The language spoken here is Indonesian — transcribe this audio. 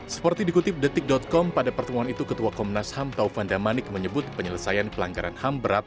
seperti dikutip detik com pada pertemuan itu ketua komnas ham taufan damanik menyebut penyelesaian pelanggaran ham berat